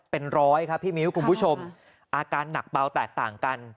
เป็นร้อยครับพี่มิ้วคุณผู้ชมอาการหนักเบาแตกต่างกัน